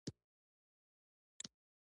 د ناک دانه د څه لپاره وکاروم؟